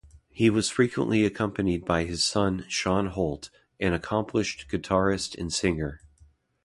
He was frequently accompanied by his son Shawn Holt, an accomplished guitarist and singer.